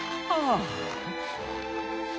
ああ！